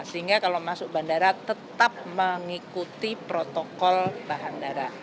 sehingga kalau masuk bandara tetap mengikuti protokol bahan darah